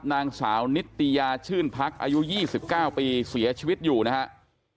นางสาวนิตยาชื่นพักอายุ๒๙ปีเสียชีวิตอยู่นะครับ